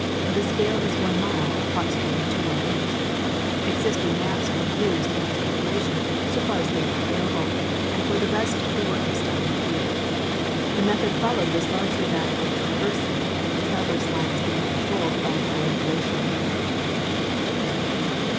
The scale is one mile, approximately, to oneinch. Existing maps were used in its preparation so far as they were available, and for the rest the work was done in the field. The method followed was largely that of traversing, the traverse lines being controlled by triangulation.